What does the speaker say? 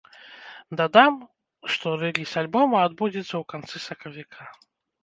Дадам, што рэліз альбома адбудзецца ў канцы сакавіка.